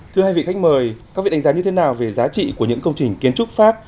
thưa hai vị khách mời các vị đánh giá như thế nào về giá trị của những công trình kiến trúc pháp